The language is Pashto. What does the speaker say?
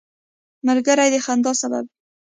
ملګری د خندا سبب وي